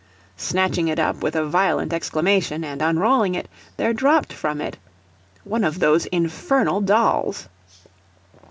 Snatching it up with a violent exclamation, and unrolling it, there dropped from it one of those infernal dolls.